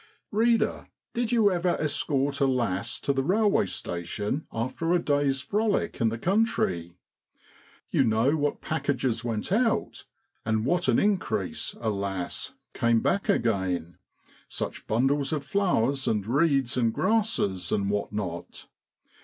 Header, did you ever escort a lass to the railway station after a day's frolic in the country ? You know what packages went out, and what an increase, alas ! came back again; such bundles of flowers and reeds and grasses, and what not.